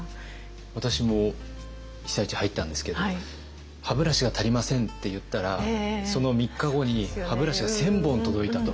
私も被災地入ったんですけど「歯ブラシが足りません」って言ったらその３日後に歯ブラシが１，０００本届いたと。